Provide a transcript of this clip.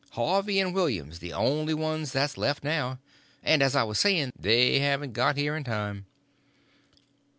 Harvey and William's the only ones that's left now; and, as I was saying, they haven't got here in time."